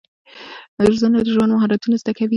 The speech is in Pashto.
روزنه د ژوند مهارتونه زده کوي.